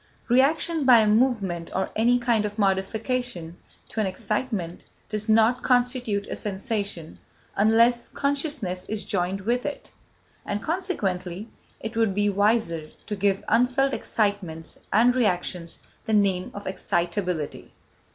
Reaction, by a movement or any kind of modification, to an excitement, does not constitute a sensation unless consciousness is joined with it, and, consequently, it would be wiser to give unfelt excitements and reactions the name of excitability.